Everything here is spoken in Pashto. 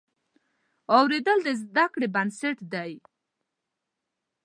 اورېدل د زده کړې بنسټ دی.